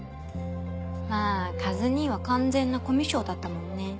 まぁカズ兄は完全なコミュ障だったもんね。